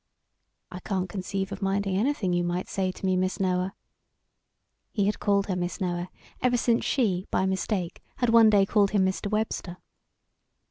"I can't conceive of 'minding' anything you might say to me, Miss Noah," he had called her Miss Noah ever since she, by mistake, had one day called him Mr. Webster.